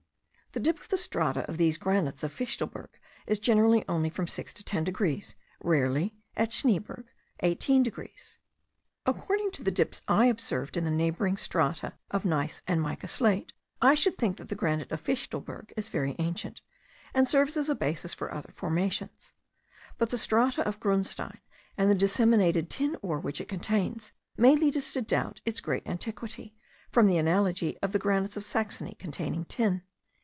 The dip of the strata of these granites of Fichtelberg is generally only from 6 to 10 degrees, rarely (at Schneeberg) 18 degrees. According to the dips I observed in the neighbouring strata of gneiss and mica slate, I should think that the granite of Fichtelberg is very ancient, and serves as a basis for other formations; but the strata of grunstein, and the disseminated tin ore which it contains, may lead us to doubt its great antiquity, from the analogy of the granites of Saxony containing tin.)